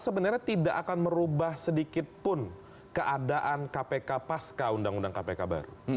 sebenarnya tidak akan merubah sedikitpun keadaan kpk pasca undang undang kpk baru